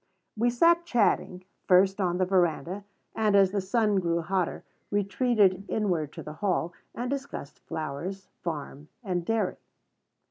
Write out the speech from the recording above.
We sat chatting, first on the veranda; and, as the sun grew hotter, retreated inward to the hall, and discussed flowers, farm, and dairy.